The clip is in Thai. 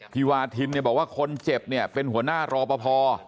พี่วาทินเนี่ยบอกว่าคนเจ็บเนี่ยเป็นหัวหน้ารอปภ